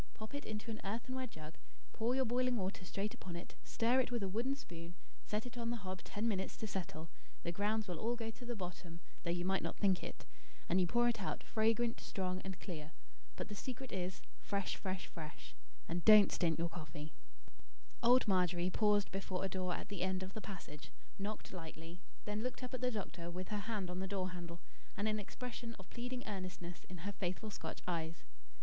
Pop it into an earthenware jug, pour your boiling water straight upon it, stir it with a wooden spoon, set it on the hob ten minutes to settle; the grounds will all go to the bottom, though you might not think it; and you pour it out fragrant, strong, and clear. But the secret is, fresh, fresh, fresh, and don't stint your coffee." Old Margery paused before a door at the end of the passage, knocked lightly; then looked up at the doctor with her hand on the door handle, and an expression of pleading earnestness in her faithful Scotch eyes.